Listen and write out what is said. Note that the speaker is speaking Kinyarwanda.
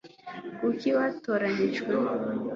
kuki batoranijwe